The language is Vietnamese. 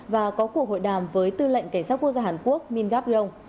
và có cuộc hội đàm với tư lệnh cảnh sát quốc gia hàn quốc min gap yong